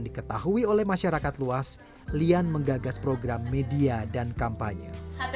diketahui oleh masyarakat luas lian menggagas program media dan kampanye